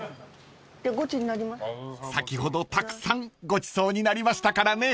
［先ほどたくさんごちそうになりましたからね］